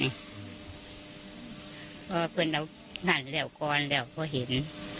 อื้อว่าเพื่อนเราหนาแล้วกองแล้วก็เห็น